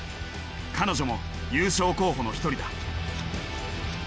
彼女も優勝候補の一人だ。